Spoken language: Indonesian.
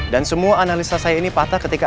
dan semua analisa saya ini patah ketika